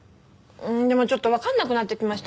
でもちょっとわかんなくなってきました。